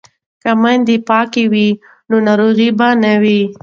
که میندې پاکې وي نو ناروغي به نه وي.